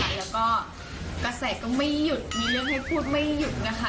แล้วก็กระแสก็ไม่หยุดมีเรื่องให้พูดไม่หยุดนะคะ